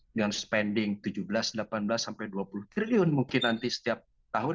dengan spending tujuh belas delapan belas sampai dua puluh triliun mungkin nanti setiap tahun